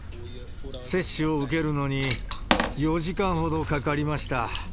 接種を受けるのに４時間ほどかかりました。